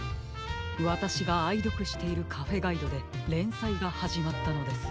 わたしがあいどくしているカフェガイドでれんさいがはじまったのです。